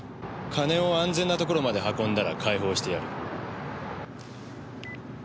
金を安全な所まで運んだら解放してやる。